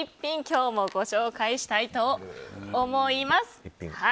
今日もご紹介したいと思います。